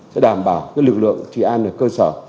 sẽ đảm bảo lực lượng trị an ở cơ sở